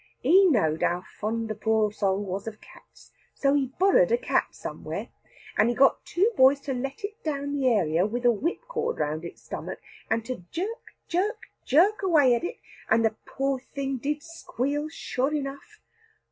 He knowed how fond the poor soul was of cats, so he borrowed a cat somewhere, and he got two boys to let it down the area with a whipcord round its stomach, and to jerk, jerk, jerk away at it, and the poor thing did squeal sure enough.